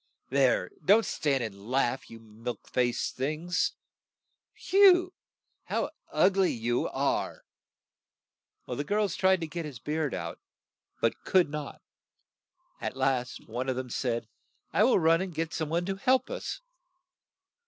There, don't stand and laugh, you milk faced things ! Whew ! how ug ly you are !'' The girls tried to get his beard out, but could not. At last one of them said, "I will run and get some one to help us."